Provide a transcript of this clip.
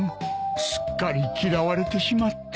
すっかり嫌われてしまった。